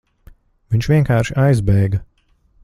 Viņš vienkārši aizbēga.